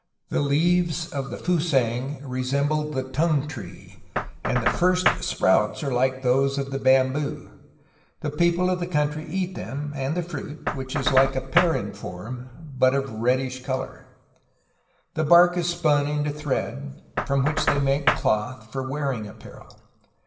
The leaves of the Fusang re semble the Tung tree, and the first sprouts are like those of the bamboo. The people of the country eat them and the fruit, which is like a pear in form, but of reddish color. The bark is spun into thread, from which they make cloth for wearing apparel.